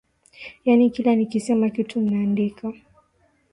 Yaani kila nikisema kitu mnaandika?